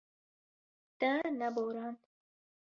Te nebarand.